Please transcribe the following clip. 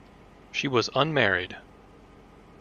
She was unmarried.